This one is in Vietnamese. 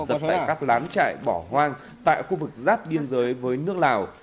tại các lán chạy bỏ hoang tại khu vực giáp biên giới với nước lào